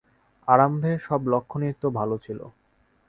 আরম্ভে সব লক্ষণই তো ভালো ছিল।